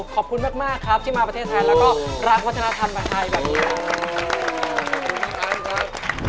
ขอบคุณมากครับที่มาประเทศไทยแล้วก็รักวัฒนธรรมไทยแบบนี้